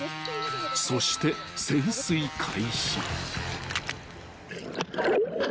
［そして潜水開始］